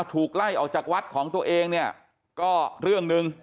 ถูกไล่ออกจากวัดของตัวเองเนี่ยก็เรื่องหนึ่ง